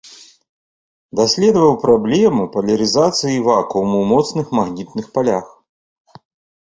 Даследаваў праблему палярызацыі і вакууму ў моцных магнітных палях.